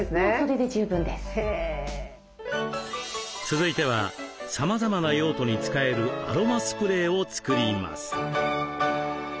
続いてはさまざまな用途に使えるアロマスプレーを作ります。